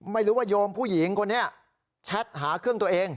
ไม่รู้ว่าโยมผู้หญิงคนนี้แชทหาเครื่องตัวเอง